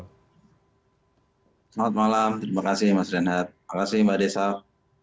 selamat malam terima kasih mas renhat terima kasih mbak desaf